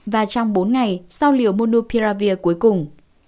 và trong bốn ngày sau liều monopiravir cuối cùng